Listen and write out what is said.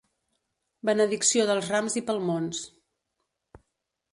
Benedicció dels Rams i palmons.